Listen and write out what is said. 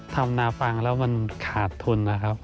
ทำนาฟังแล้วมันขาดทุนนะครับ